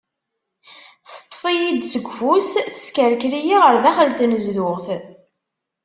Teṭṭef-iyi-d seg ufus, teskerker-iyi ɣer daxel n tnezduɣt.